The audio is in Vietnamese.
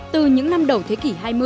từ những năm đầu thế kỷ hai mươi